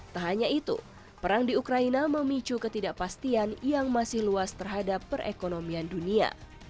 tak hanya itu perang di ukraina memicu ketidakpastian yang masih luas terhadap perekonomian dunia